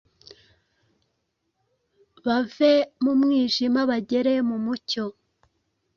bave mu mwijima bagere mu mucyo,